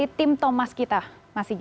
ini pertanyaan kita juga